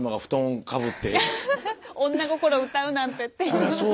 女心を歌うなんてっていう。